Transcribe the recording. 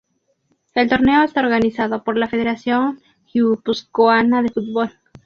El torneo está organizado por la Federación Guipuzcoana de Fútbol.